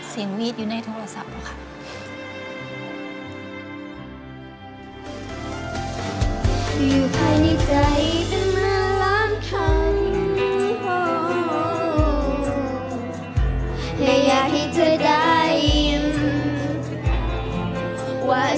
เสียงวีดอยู่ในโทรศัพท์แล้วค่ะ